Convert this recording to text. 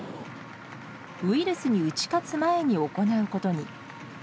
ウイルスに打ち勝つ前に行うことに。